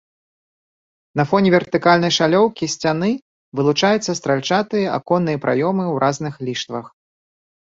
На фоне вертыкальнай шалёўкі сцяны вылучаюцца стральчатыя аконныя праёмы ў разных ліштвах.